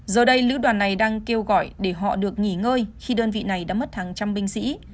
giờ đây lữ đoàn này đang kêu gọi để họ được nghỉ ngơi khi đơn vị này đã mất hàng trăm binh sĩ